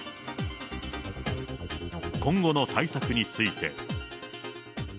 今後の対策について。